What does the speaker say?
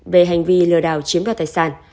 về hành vi lừa đảo chiếm đoạt tài sản